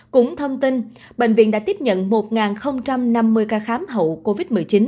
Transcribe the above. cũng thông tin bệnh viện đã tiếp nhận một năm mươi ca khám hậu covid một mươi chín